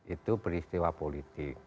itu peristiwa politik